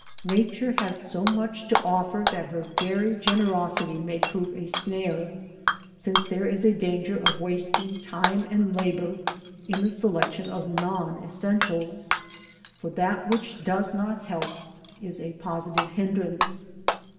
Nature has so much to offer that her very generosity may prove a snare, since there is a danger of wasting time and labour in the selection of non essentials ; for that which does not help is a positive hindrance.